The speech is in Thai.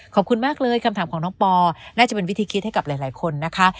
ขอบคุณมากเลยคำถามของน้องปอน่าจะเป็นวิธีคิดให้กับหลายคนนะคะ